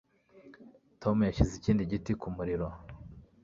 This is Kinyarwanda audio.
Tom yashyize ikindi giti ku muriro